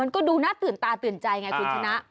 ก็ดูน่าตื่นตาตื่นใจไงคุณชนะ